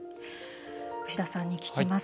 牛田さんに聞きます。